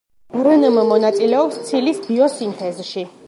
რნმ მონაწილეობს ცილის ბიოსინთეზში.